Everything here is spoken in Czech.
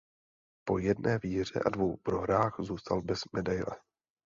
Po jedné výhře a dvou prohrách zůstal bez medaile.